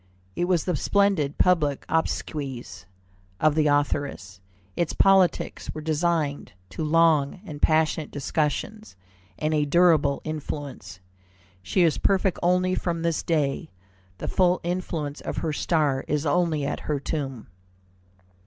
It was the splendid public obsequies of the authoress. Its politics were destined to long and passionate discussions and a durable influence. She is perfect only from this day; the full influence of her star is only at her tomb."